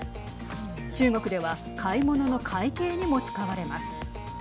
中国では買い物の会計にも使われます。